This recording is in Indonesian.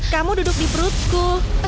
kamu duduk di perutku